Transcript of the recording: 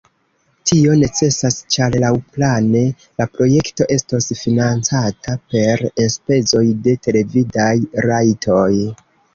Tio necesas, ĉar laŭplane la projekto estos financata per enspezoj de televidaj rajtoj.